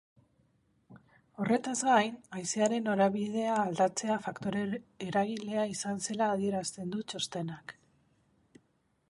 Horretaz gain, haizearen norabidea aldatzea faktore eragilea izan zela adierazten du txostenak.